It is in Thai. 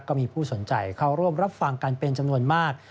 ก็มีผู้สนใจเข้าร่วมรับฟังกันเป็นจำนวนมาก